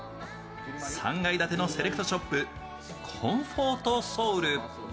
３階建てのセレクトショップ・コンフォートソウル。